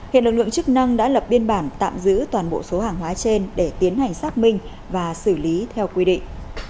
hiện lực lượng chức năng đã lập biên bản tạm giữ toàn bộ số hàng hóa trên để tiến hành xác minh và xử lý theo quy định